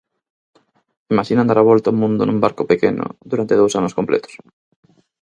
Imaxinan dar a volta ao mundo nun barco pequeno, durante dous anos completos?